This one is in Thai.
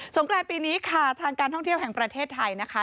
กรานปีนี้ค่ะทางการท่องเที่ยวแห่งประเทศไทยนะคะ